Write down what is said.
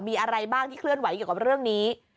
มีอะไรบ้างที่เคลื่อนไหวเกี่ยวกับเรื่องนี้